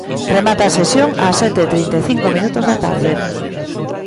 Remata a sesión ás sete e trinta e cinco minutos da tarde.